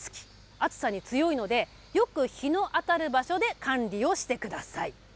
暑さに強いので、よく日の当たる場所で管理をしてください。